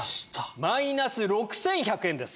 マイナス６１００円です。